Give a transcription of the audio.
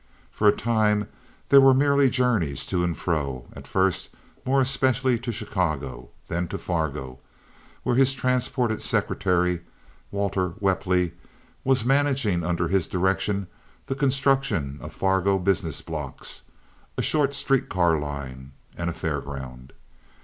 For a time there were merely journeys to and fro, at first more especially to Chicago, then to Fargo, where his transported secretary, Walter Whelpley, was managing under his direction the construction of Fargo business blocks, a short street car line, and a fair ground.